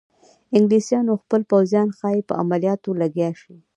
انګلیسیانو خپل پوځیان ښایي په عملیاتو لګیا شي.